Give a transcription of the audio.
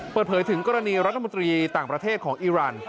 เปิดเผยถึงกรณีรัฐมนตรีต่างประเทศของอีรัน